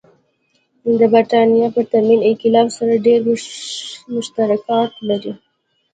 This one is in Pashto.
د برېټانیا پرتمین انقلاب سره ډېر مشترکات لري.